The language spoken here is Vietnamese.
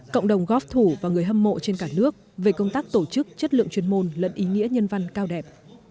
cộng đồng golf thủ và người hâm mộ trên cả nước về công tác tổ chức chất lượng chuyên môn lẫn ý nghĩa nhân văn cao đẹp